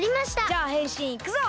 じゃあへんしんいくぞ！